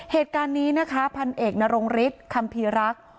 เหตุการณ์นี้นะคะพันเอกนรงฤทธิคัมภีรักษ์